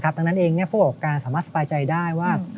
ดังนั้นเองผู้ประกอบการสามารถสบายใจได้ว่า